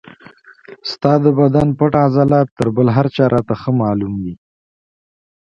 ستا د بدن پټ عضلات تر بل هر چا راته ښه معلوم دي.